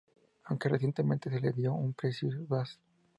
Aunque recientemente se le vio un precisión bass